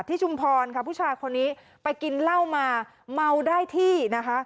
ชุมพรค่ะผู้ชายคนนี้ไปกินเหล้ามาเมาได้ที่นะคะ